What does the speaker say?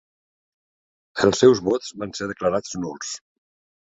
Els seus vots van ser declarats nuls.